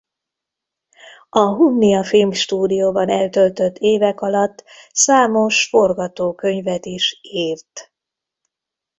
A Hunnia Filmstúdióban eltöltött évek alatt számos forgatókönyvet is írt.